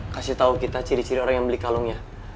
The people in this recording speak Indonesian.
kasih tahu kita ciri ciri orang yang beli kalungnya